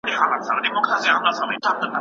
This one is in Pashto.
معلم صاحب ثمر ګل ته د یوې نوې تګلارې په اړه وویل.